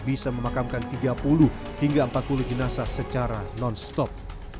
bisa memakamkan tiga puluh hingga empat puluh jenazah secara non stop